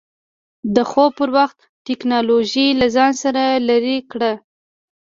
د خوب پر وخت ټېکنالوژي له ځان لرې کړه.